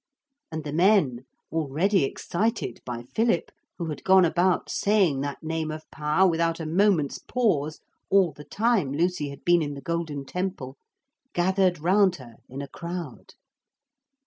And the men, already excited by Philip, who had gone about saying that name of power without a moment's pause all the time Lucy had been in the golden temple, gathered round her in a crowd.